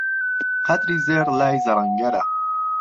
قهدری زێڕ لا ی زهڕهنگهره